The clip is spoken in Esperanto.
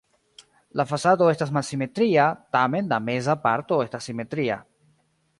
La fasado estas malsimetria, tamen la meza parto estas simetria.